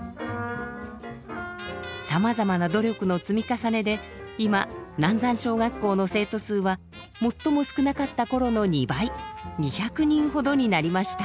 さまざまな努力の積み重ねで今南山小学校の生徒数は最も少なかった頃の２倍２００人ほどになりました。